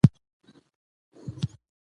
سړی د ستونزو پر وړاندې نه تسلیمېږي